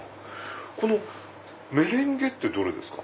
この「メレンゲ」ってどれですか？